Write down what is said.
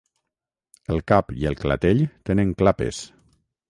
El cap i el clatell tenen clapes.